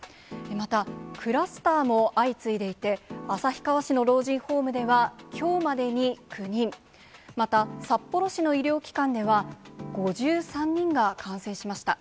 また、クラスターも相次いでいて、旭川市の老人ホームでは、きょうまでに９人、また札幌市の医療機関では５３人が感染しました。